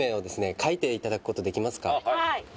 書いていただくことできますか？